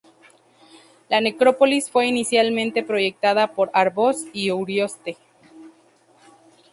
La necrópolis fue inicialmente proyectada por Arbós y Urioste.